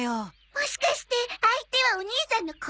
もしかして相手はお兄さんの恋人とか？